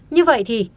như vậy thì